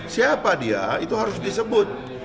siapa dia itu harus disebut